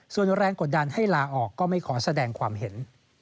ส่วนแรงกดดันให้ลาออกก็ไม่ขอแสดงความเห็น